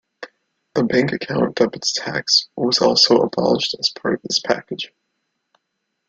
The bank account debits tax was also abolished as part of this package.